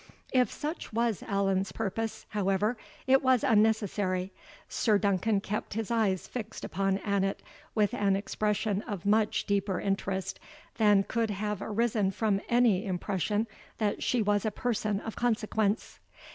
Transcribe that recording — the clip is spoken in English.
If such was Allan's purpose, however, it was unnecessary. Sir Duncan kept his eyes fixed upon Annot with an expression of much deeper interest than could have arisen from any impression that she was a person of consequence.